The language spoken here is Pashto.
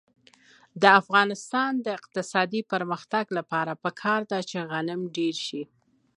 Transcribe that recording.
د افغانستان د اقتصادي پرمختګ لپاره پکار ده چې غنم ډېر شي.